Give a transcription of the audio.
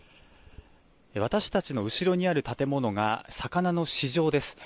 私たちの後ろにある建物が魚の市場です。